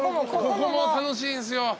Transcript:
ここも楽しいんすよ。